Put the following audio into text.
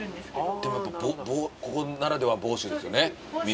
でもやっぱここならではは房州ですよね。